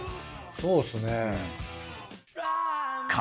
そうですね。